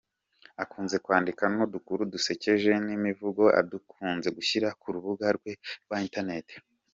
Akunze kwandika n’udukuru dusekeje n’imivugo akunze gushyira ku rubuga rwe rwa internet.